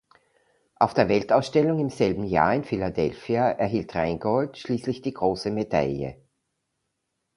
Auf der Weltausstellung im selben Jahr in Philadelphia erhielt "Rheingold" schließlich die "Große Medaille".